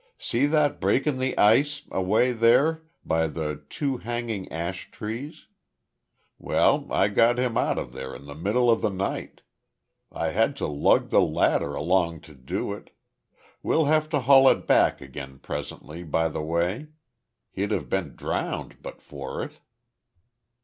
"See that break in the ice, away there, by the two hanging ash trees. Well, I got him out of there in the middle of the night. I had to lug the ladder along to do it we'll have to haul it back again presently, by the way. He'd have been drowned but for it."